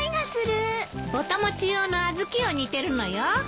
ぼた餅用の小豆を煮てるのよ。